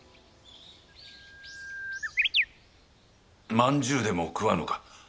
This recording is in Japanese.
まんじゅうでも食わぬか？